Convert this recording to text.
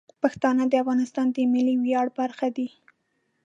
پښتانه د افغانستان د ملي ویاړ برخه دي.